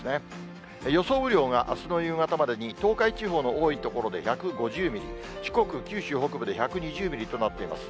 雨量があすの夕方までに、東海地方の多い所で１５０ミリ、四国、九州北部で１２０ミリとなっています。